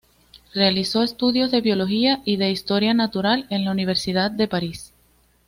Realizó estudios de Biología y de historia natural en la Universidad de París.